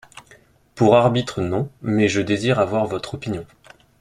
Pour arbitre, non ; mais je désire avoir votre opinion.